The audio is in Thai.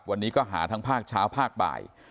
วันนี้ก็หาทั้งภาคเช้าภาคบ่าย